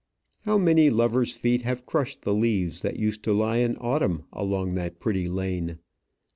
How many lovers' feet have crushed the leaves that used to lie in autumn along that pretty lane!